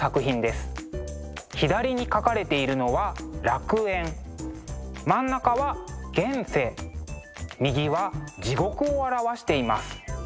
左に描かれているのは楽園真ん中は現世右は地獄を表しています。